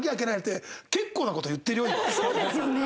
そうですよね。